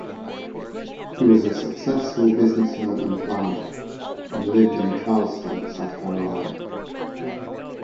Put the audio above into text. He was a successful businessman and planter and lived in Charleston, South Carolina.